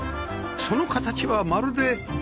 その形はまるで